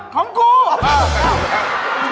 ข้างคกฮี